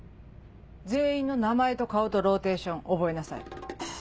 全員の名前と顔とローテーション覚えなさい。